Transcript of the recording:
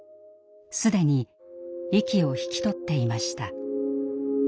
既に息を引き取っていました。